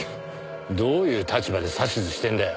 どういう立場で指図してんだよ。